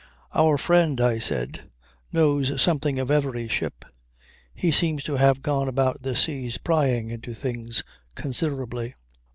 "Our friend," I said, "knows something of every ship. He seems to have gone about the seas prying into things considerably."